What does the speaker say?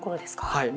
はい。